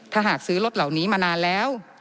ถ้าหากซื้อรถเหล่านี้มานานแล้ว